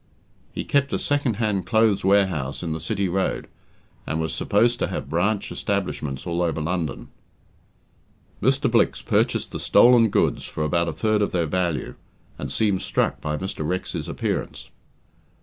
He kept a second hand clothes warehouse in the City Road, and was supposed to have branch establishments all over London. Mr. Blicks purchased the stolen goods for about a third of their value, and seemed struck by Mr. Rex's appearance.